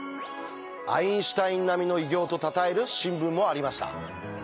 アインシュタイン並みの偉業とたたえる新聞もありました。